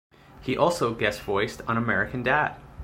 He also guest-voiced on American Dad!